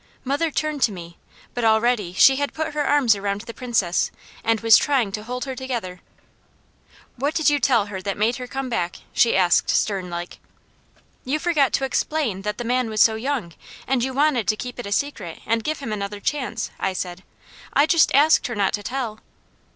Mother turned to me, but already she had put her arms around the Princess, and was trying to hold her together. "What did you tell her that made her come back?" she asked sternlike. "You forgot to explain that the man was so young, and you wanted to keep it a secret and give him another chance," I said. "I just asked her not to tell."